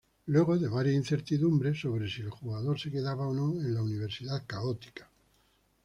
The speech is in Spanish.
Luego de varias incertidumbres si el jugador se quedaba o no en Universidad Católica.